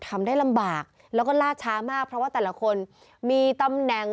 ทำได้ลำบากแล้วก็ล่าช้ามากเพราะว่าแต่ละคนมีตำแหน่ง